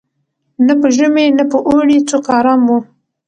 نه په ژمي نه په اوړي څوک آرام وو